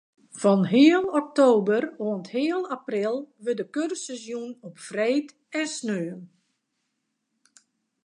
Fan heal oktober oant heal april wurdt de kursus jûn op freed en saterdei.